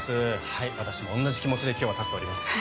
私も同じ気持ちで今日は立っております。